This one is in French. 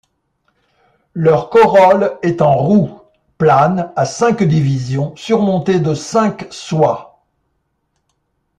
Leur corolle est en roue, plane, à cinq divisions, surmontée de cinq soies.